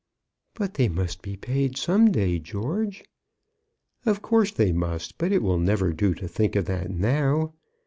"But they must be paid some day, George." "Of course they must; but it will never do to think of that now.